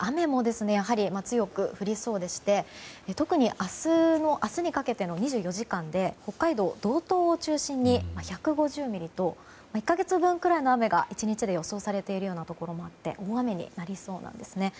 雨もやはり強く降りそうでして特に明日にかけての２４時間で北海道の道東を中心に１２０ミリくらいと１か月分くらいの雨が１日で予想されているようなところもあって大雨になりそうなんですね。